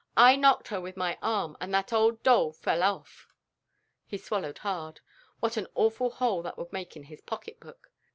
I knocked her with my arm and that old doll fell off;" he swallowed hard. What an awful hole that would make in his pocket book!